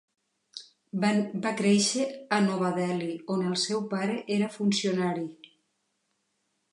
Va créixer a Nova Delhi, on el seu pare era funcionari.